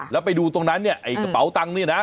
แล้วไปดูตรงนั้นเนี่ยไอ้กระเป๋าตังค์เนี่ยนะ